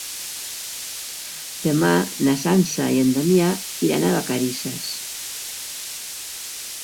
Demà na Sança i en Damià iran a Vacarisses.